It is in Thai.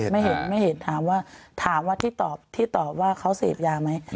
ไม่เห็นไม่เห็นถามว่าถามว่าที่ตอบที่ตอบว่าเขาเสพยาไหม